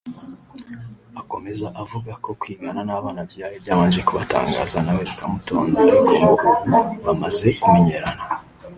Akomeza avuga ko kwigana n’abana abyaye byabanje kubatangaza nawe bikamutonda ariko ngo ubu bamaze kumenyerana